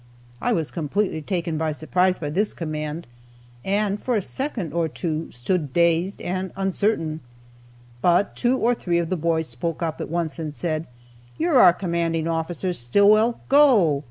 I was completely taken by surprise by this command, and for a second or two stood, dazed and uncertain. But two or three of the boys spoke up at once and said, "You're our commanding officer, Stillwell; go!"